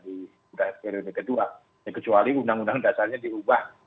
di periode kedua kecuali undang undang dasarnya diubah